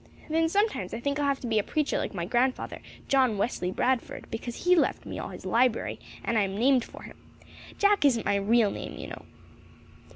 Then sometimes I think I'll have to be a preacher like my grandfather, John Wesley Bradford, because he left me all his library, and I am named for him. Jack isn't my real name, you know."